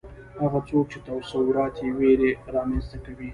هغه څوک چې تصورات یې ویره رامنځته کوي